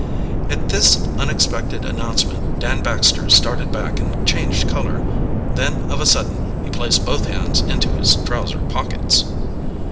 At this unexpected announcement Dan Baxter started back and changed color. Then of a sudden he placed both hands into his trouser pockets.